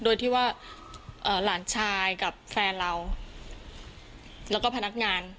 โดยที่ว่าหลานชายกับแฟนเราแล้วก็พนักงาน